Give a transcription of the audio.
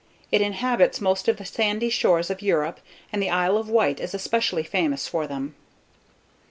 It inhabits most of the sandy shores of Europe, and the Isle of Wight is especially famous for them.